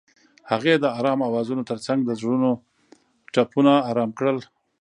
هغې د آرام اوازونو ترڅنګ د زړونو ټپونه آرام کړل.